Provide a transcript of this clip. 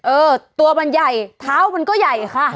เออตัวมันใหญ่เท้ามันก็ใหญ่ค่ะ